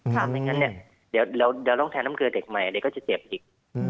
ถ้าไม่งั้นเนี่ยเดี๋ยวเราต้องแทนน้ำเกลือเด็กใหม่เดี๋ยวก็จะเจ็บอีก